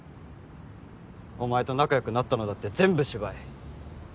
お前と仲良くなったのだって全部芝居。